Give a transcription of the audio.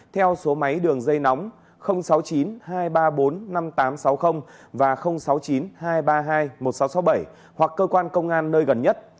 theo số máy đường dây nóng sáu mươi chín hai trăm ba mươi bốn năm nghìn tám trăm sáu mươi và sáu mươi chín hai trăm ba mươi hai một nghìn sáu trăm sáu mươi bảy hoặc cơ quan công an nơi gần nhất